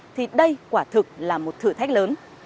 thì đây quả thực là một thử thách lớn